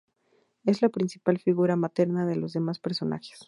Es la principal figura materna de los demás personajes.